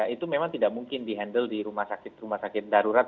itu memang tidak mungkin di handle di rumah sakit rumah sakit darurat